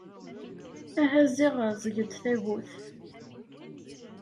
Aha ziɣ ẓẓeg-d tagut.